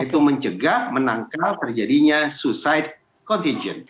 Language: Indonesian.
yaitu mencegah menangkal terjadinya suicide contagion